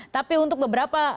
tapi untuk beberapa